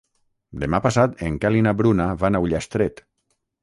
Demà passat en Quel i na Bruna van a Ullastret.